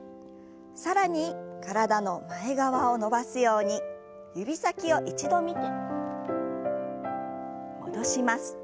更に体の前側を伸ばすように指先を一度見て戻します。